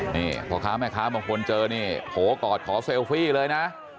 นี่พ่อค้าแม่ค้าบางคนเจอนี่โผล่กอดขอเซลฟี่เลยนะ